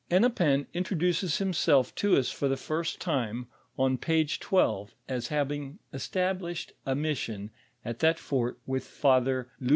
Hennepin introduces himself to us, for the first time, ou page twelve, as having established a mission at that fort with Father L«!